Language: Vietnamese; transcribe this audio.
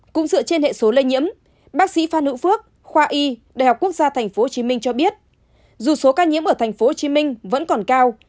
cũng dựa trên hệ số lây nhiễm bác sĩ phan hữu phước khoa y đại học quốc gia tp hcm cho biết dù số ca nhiễm ở tp hcm vẫn còn cao